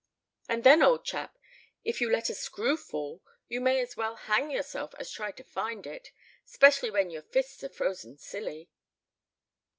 "And then, old chap, if you let a screw fall, you may as well hang yourself as try to find it, 'specially when your fists are frozen silly."